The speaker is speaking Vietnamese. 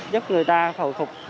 giúp người ta phục